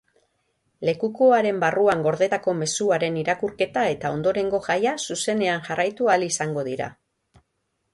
Lekukoaren barruan gordetako mezuaren irakurketa eta ondorengo jaia zuzenean jarraitu ahal izango dira.